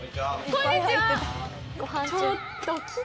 こんにちは！